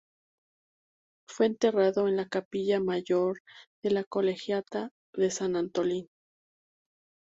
Fue enterrado en la capilla mayor de la Colegiata de San Antolín.